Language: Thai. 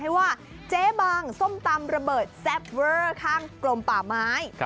ให้ว่าเจ๊บางส้มตำระเบิดแซ่บเวอร์ข้างกลมป่าไม้